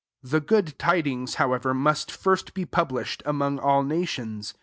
10 "The good tidings, how ever, must first be publisiiei| among all nations.